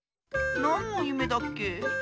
なんのゆめだっけ？